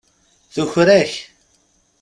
Tuker-ak.